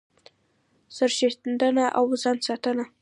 سر ښندنه او ځان ساتنه